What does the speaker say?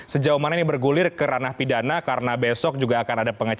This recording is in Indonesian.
sejauh mana ini bergulir ke ranah pidana karena besok juga